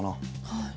はい。